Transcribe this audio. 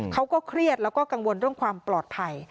เขาก็เครียดแล้วก็กังวลเรื่องความปลอดภัย